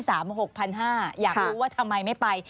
อยากรู้ว่าทำไมไม่ไป